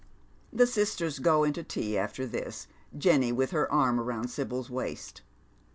The sisters go into tea after thig, Jenny with her arm round Sibyl's waist.